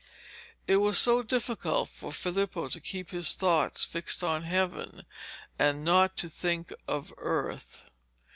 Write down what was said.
It was so difficult for Filippo to keep his thoughts fixed on heaven, and not to think of earth.